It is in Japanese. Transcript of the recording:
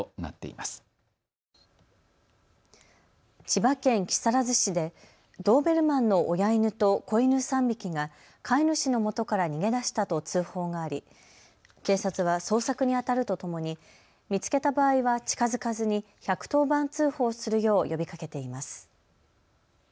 千葉県木更津市でドーベルマンの親犬と子犬３匹が飼い主のもとから逃げ出したと通報があり警察は捜索にあたるとともに見つけた場合は近づかずに１１０番通報するよう呼びかけています。